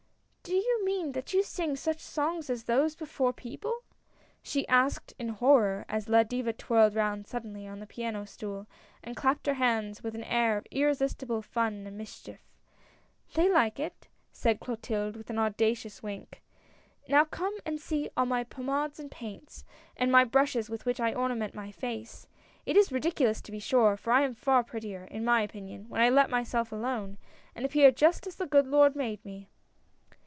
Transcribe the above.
" Do you mean that you sing such songs as those before people?" she asked in horror, as La Diva twirled round suddenly on the piano stool, and clapped her hands with an air of irresistible fun and mischief. "They like it," said Clotilde, with an audacious wink. "Now come and see all my pomades and paints, and my brushes with which I ornament my face. It is ridiculous to be sure, for I am far prettier, in my opinion, when I let myself alone, and appear just as the good Lord made me